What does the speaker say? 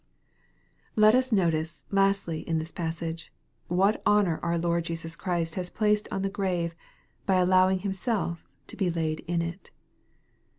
Let us notice, lastly in this passage, what honor our Lord Jesus Christ has placed on the grave, by allowing Himself to be laid in it.